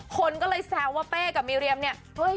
คนก็เลยแซวว่าเป้กับมีเรียมเนี่ย